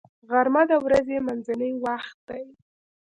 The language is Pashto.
غرمه د ورځې منځنی وخت دی